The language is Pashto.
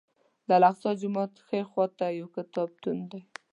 د الاقصی جومات ښي خوا ته یو کتابتون دی.